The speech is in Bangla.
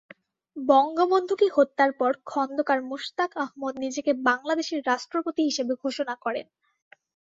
বঙ্গবন্ধুকে হত্যার পর খোন্দকার মোশতাক আহমদ নিজেকে বাংলাদেশের রাষ্ট্রপতি হিসেবে ঘোষণা করেন।